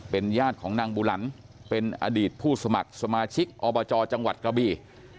เป็นญาติของนางบุหลันเป็นอดีตผู้สมัครสมาชิกอบจจังหวัดกระบี